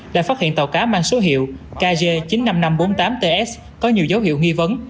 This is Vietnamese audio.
đã phát hiện tàu cá mang số hiệu kg chín mươi năm nghìn năm trăm bốn mươi tám ts có nhiều dấu hiệu nghi vấn